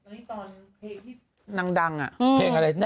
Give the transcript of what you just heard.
นี่ตอนเพลงที่นางดังอ่ะ